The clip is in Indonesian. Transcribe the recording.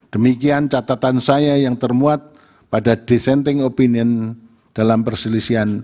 demikian catatan saya yang termuat pada dissenting opinion dalam perselisihan